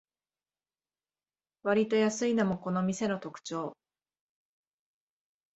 わりと安いのもこの店の特長